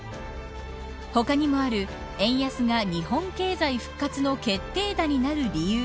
他にもある円安が日本経済復活の決定打になる理由